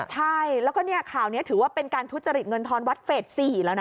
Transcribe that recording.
ใช่แล้วก็ข่าวนี้ถือว่าเป็นการทุจริตเงินทอนวัดเฟส๔แล้วนะ